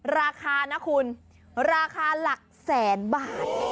ราคานะคุณราคาหลักแสนบาท